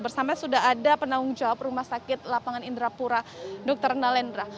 bersama sudah ada penanggung jawab rumah sakit lapangan indrapura dr nalendra